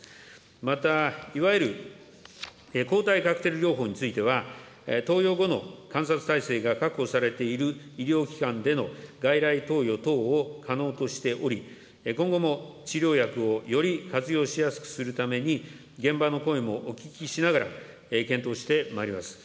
また、いわゆる抗体カクテル療法については、投与後の観察体制が確保されている医療機関での外来投与等を可能としており、今後も治療薬をより活用しやすくするために、現場の声もお聞きしながら検討してまいります。